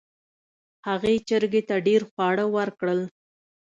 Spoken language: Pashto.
هغې چرګې ته ډیر خواړه ورکړل.